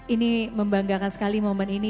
ini membanggakan sekali momen ini